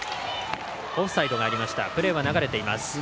オフサイドがありましたがプレーは流れています。